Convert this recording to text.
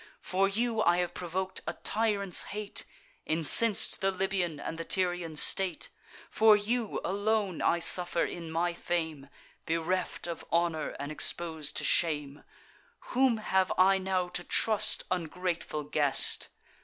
For you I have provok'd a tyrant's hate, Incens'd the Libyan and the Tyrian state; For you alone I suffer in my fame, Bereft of honour, and expos'd to shame. Whom have I now to trust, ungrateful guest?